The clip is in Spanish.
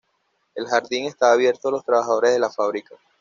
El jardín estaba abierto a los trabajadores de la fábrica.